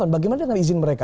bagaimana dengan izin mereka